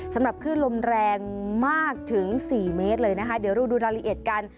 สำหรับคลื่นลมแรงมากถึง๔เมตรเลยนะคะเดี๋ยวเราดูรายละเอียดกัน